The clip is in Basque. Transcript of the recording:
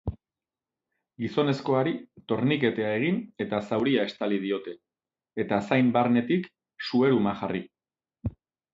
Gizonezkoari torniketea egin eta zauria estali diote, eta zain barnetik sueruma jarri.